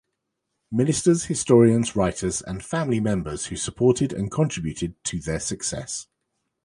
Ministers, historians, writers, and family members who supported and contributed to their success.